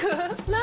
何？